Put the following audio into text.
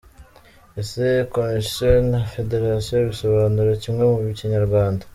Ese Commission na Federation bisobanura kimwe mu Kinyarwanda?.